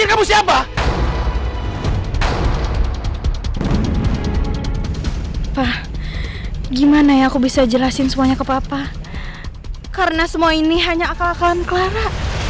hai pak gimana ya aku bisa jelasin semuanya ke papa karena semua ini hanya akal akalan clara